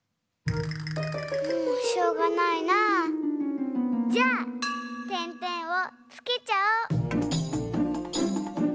もうしょうがないなぁ。じゃあてんてんをつけちゃおう！